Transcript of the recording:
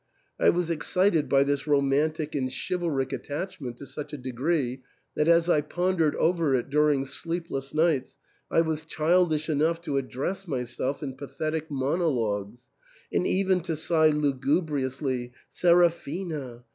I was excited by this romantic and chivalric attachment to such a degree, that, as I pondered over it during sleepless nights, I was childish enough to address myself in pathetic mon ologues, and even to sigh lugubriously, " Seraphina